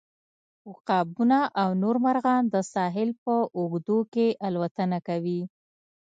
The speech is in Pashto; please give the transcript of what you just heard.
عقابونه او نور مرغان د ساحل په اوږدو کې الوتنه کوي